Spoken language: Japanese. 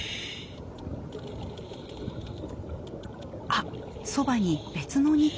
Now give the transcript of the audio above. あっそばに別の２頭。